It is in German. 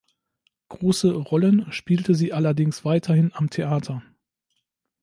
Große Rollen spielte sie allerdings weiterhin am Theater.